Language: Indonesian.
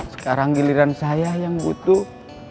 sekarang giliran saya yang butuh